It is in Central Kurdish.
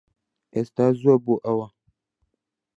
ئێستا زووە بۆ ئەوە